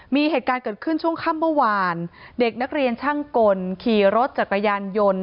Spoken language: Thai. มีเหตุการณ์เกิดขึ้นช่วงค่ำเมื่อวานเด็กนักเรียนช่างกลขี่รถจักรยานยนต์